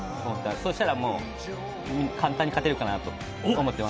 そしたら、もう簡単に勝てるかなと思っています。